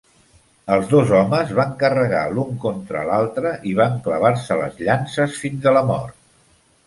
Els dos homes van carregar l'un contra l'altre i van clavar-se les llances fins a la mort.